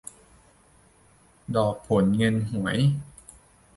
ดอกผลเงินหวย